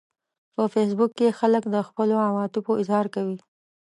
په فېسبوک کې خلک د خپلو عواطفو اظهار کوي